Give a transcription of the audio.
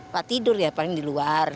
pak tidur ya paling di luar